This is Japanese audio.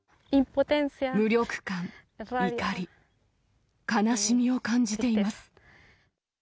無力感、怒り、悲しみを感じています。